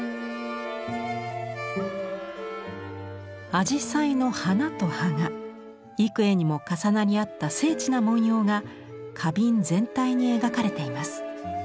紫陽花の花と葉が幾重にも重なり合った精緻な文様が花瓶全体に描かれています。